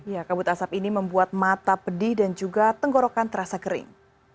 ya kabut asap ini membuat mata pedih dan juga tenggorokan terasa kering